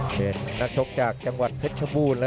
เป็นนักชกจากจังหวัดเซ็ทชะพูน